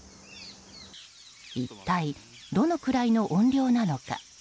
一体どのくらいの音量なのか。